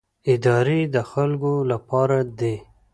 ادارې د خلکو لپاره دي